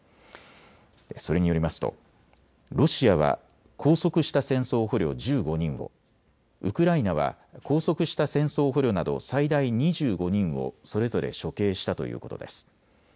それによりますとロシアは拘束した戦争捕虜１５人を、ウクライナは拘束した戦争捕虜など最大２５人をそれぞれ処刑したということです。